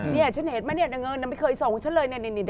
เนี่ยฉันเห็นไหมเนี่ยเด็กไม่เคยส่งไว้จนเลย